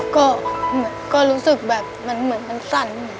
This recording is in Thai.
ก็รู้สึกแบบมันเหมือนมันสั่น